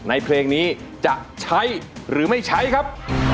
เพลงนี้จะใช้หรือไม่ใช้ครับ